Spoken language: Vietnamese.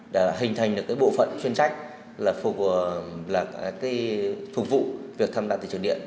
đã hình thành được bộ phận chuyên trách phục vụ việc tham gia thị trường điện